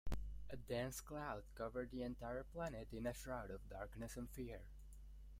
A dense cloud covered the entire planet in a shroud of darkness and fear.